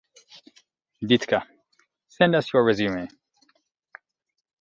Ditka: Send us your resume.